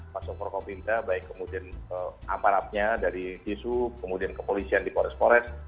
pasok propok pinta baik kemudian aparatnya dari kisu kemudian kepolisian di kores kores